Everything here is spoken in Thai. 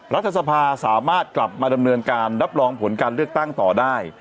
รัฐสภาสามารถกลับมาดำเนินการรับรองผลการเลือกตั้งต่อได้